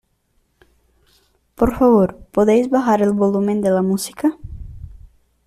Por favor, ¿podéis bajar el volumen de la música?